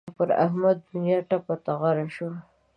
پر احمد دونیا ټپه ټغره شوه.